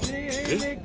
「えっ？」